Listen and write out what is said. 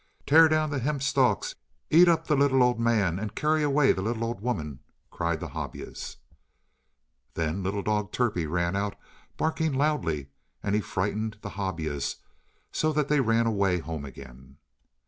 "Tear down the hemp stalks. Eat up the little old man, and carry away the little old woman," cried the Hobyahs. Then little dog Turpie ran out, barking loudly, and he frightened the Hobyahs so that they ran away home again.